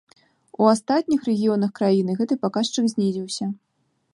У астатніх рэгіёнах краіны гэты паказчык знізіўся.